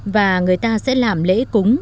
và người ta sẽ làm lễ cúng